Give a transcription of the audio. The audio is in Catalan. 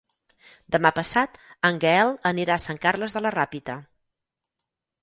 Demà passat en Gaël anirà a Sant Carles de la Ràpita.